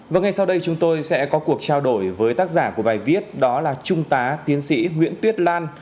và ngay sau đây chúng tôi sẽ có cuộc trao đổi với tác giả của bài viết đó là trung tá tiến sĩ nguyễn tuyết lan